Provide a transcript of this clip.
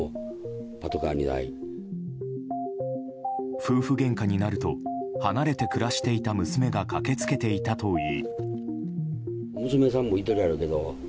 夫婦げんかになると離れて暮らしていた娘が駆け付けていたといい。